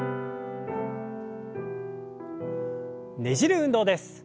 ねじる運動です。